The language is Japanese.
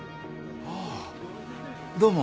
ああどうも